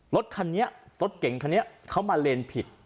รถคันนี้รถเก่งคันนี้เขามาเลนผิด